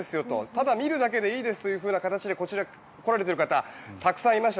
ただ見るだけでいいですという形でこちらに来られている方たくさんいました。